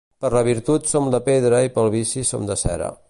Per la virtut som de pedra i pel vici som de cera.